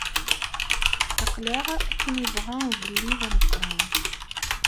Aql-aɣ akken yebɣa ugellid ameqqran.